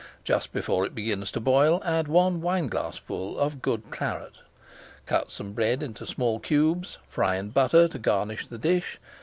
Just before it begins to boil add one wineglassful of good Claret. Cut some bread into small cubes, fry in butter to garnish the dish.